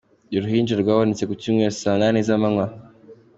Uruhinja rwabonetse ku cyumweru saa munani z’amanywa.